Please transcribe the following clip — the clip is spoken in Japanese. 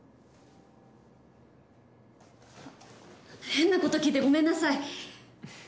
変なこと聞いてごめんなさい。